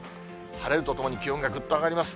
晴れるとともに、気温がぐっと上がります。